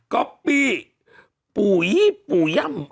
ก็ปีปู่ยี่ปู่ย่ำ